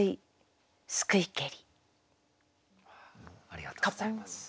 ありがとうございます。